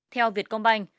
theo việt công banh